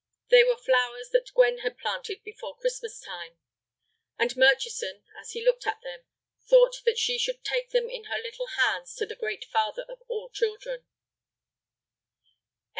They were flowers that Gwen had planted before Christmas time. And Murchison, as he looked at them, thought that she should take them in her little hands to the Great Father of all Children.